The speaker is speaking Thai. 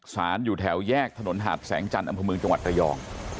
สารอยู่แถวแยกถนนหาดแสงจันต์อัมพมืองจังหวัดตระยอง